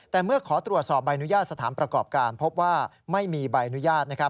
แต่เมื่อขอตรวจสอบใบอนุญาตสถานประกอบการพบว่าไม่มีใบอนุญาต